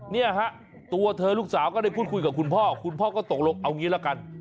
เนี่ยฮะตัวเธอลูกสาวก็ได้พูดคุยกับคุณพ่อคุณพ่อก็ตกลงเอางี้ละกัน